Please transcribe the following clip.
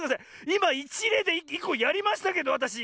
いまいちれいでいっこやりましたけどわたし。